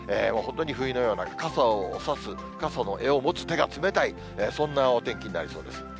本当に冬のような、傘を差す、傘の柄を持つ手が冷たい、そんなお天気になりそうです。